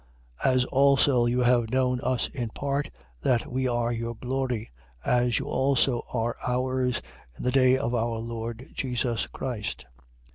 1:14. As also you have known us in part, that we are your glory: as you also are ours, in the day of our Lord Jesus Christ.